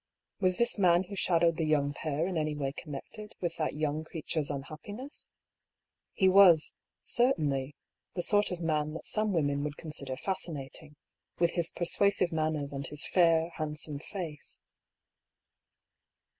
Was this man who shadowed 174 DR. PAULL'S THEORY. the young pair in any way connected with that young creature's unhappiness ? He was, certainly, the sort of man that some women would consider fascinating, with his persuasive manners and his fair, handsome face.